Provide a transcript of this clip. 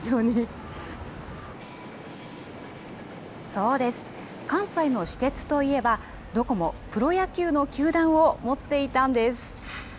そうです、関西の私鉄といえば、どこもプロ野球の球団を持っていたんです。